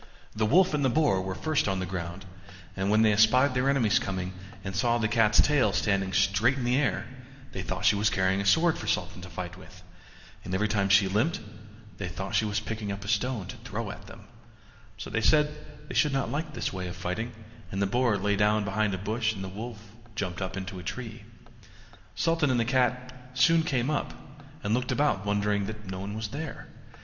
The wolf and the wild boar were first on the ground; and when they espied their enemies coming, and saw the cat's long tail standing straight in the air, they thought she was carrying a sword for Sultan to fight with; and every time she limped, they thought she was picking up a stone to throw at them; so they said they should not like this way of fighting, and the boar lay down behind a bush, and the wolf jumped up into a tree. Sultan and the cat soon came up, and looked about and wondered that no one was there.